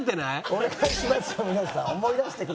お願いしますよ